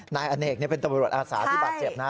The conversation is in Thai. นายอเนกเป็นตบรรยาศาสนับเจ็บนะ